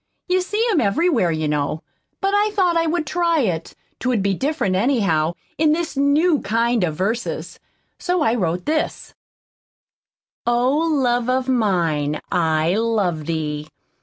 You see 'em everywhere, you know. But I thought I would try it 'twould be different, anyhow, in this new kind of verses. So I wrote this: Oh, love of mine, I love Thee.